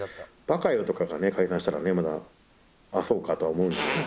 馬鹿よとかがね解散したらねまだ「ああそうか」とは思うんだけど。